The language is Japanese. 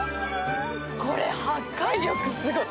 これ、破壊力すごい。